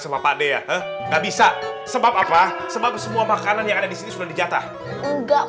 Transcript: sama pakde ya nggak bisa sebab apa sebab semua makanan yang ada di sini sudah dijatah enggak